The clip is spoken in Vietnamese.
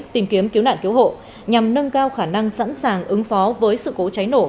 tìm kiếm cứu nạn cứu hộ nhằm nâng cao khả năng sẵn sàng ứng phó với sự cố cháy nổ